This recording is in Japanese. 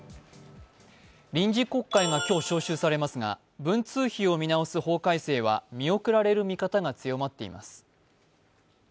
臨時国会が今日召集されますが文通費を見直す法改正は見送られる見方が強まっています。